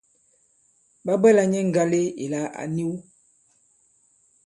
Ɓa bwɛla nyɛ ŋgale ìla à niw.